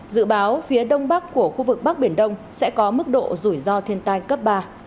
dự báo phía đông bắc của khu vực bắc biển đông sẽ có mức độ rủi ro thiên tai cấp ba